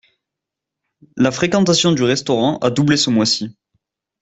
La fréquentation du restaurant a doublé ce mois-ci.